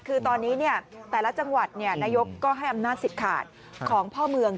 คือตอนนี้แต่ละจังหวัดนายกก็ให้อำนาจสิทธิ์ขาดของพ่อเมือง